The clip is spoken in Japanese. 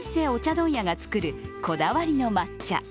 問屋が作るこだわりの抹茶。